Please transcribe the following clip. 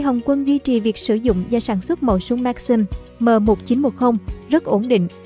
hồng quân duy trì việc sử dụng và sản xuất mẫu súng maxim m một nghìn chín trăm một mươi rất ổn định